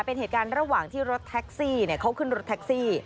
เป็นเหตุการณ์ระหว่างที่รถแท็กซี่เขาขึ้นรถแท็กซี่